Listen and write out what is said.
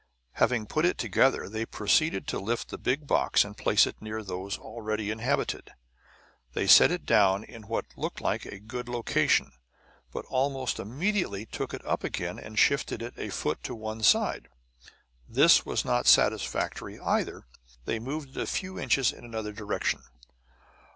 Having put it together, they proceeded to lift the big box and place it near those already inhabited. They set it down in what looked like a good location, but almost immediately took it up again and shifted it a foot to one side. This was not satisfactory, either; they moved it a few inches in another direction.